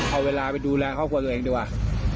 เอาเวลาไปดูแลครอบครัวตัวเองดีกว่า